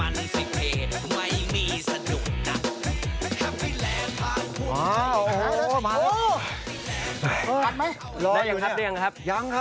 รออยู่เนี่ย